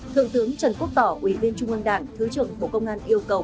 thượng tướng trần quốc tỏ ủy viên trung ương đảng thứ trưởng bộ công an yêu cầu